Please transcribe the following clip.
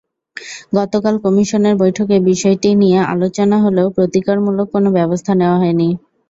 গতকাল কমিশনের বৈঠকে বিষয়টি নিয়ে আলোচনা হলেও প্রতিকারমূলক কোনো ব্যবস্থা নেওয়া হয়নি।